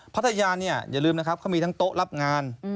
พัทยาเนี่ยอย่าลืมนะครับเขามีทั้งโต๊ะรับงาน